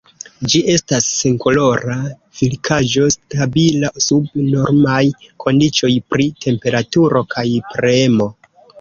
Ĝi estas senkolora likvaĵo, stabila sub normaj kondiĉoj pri temperaturo kaj premo.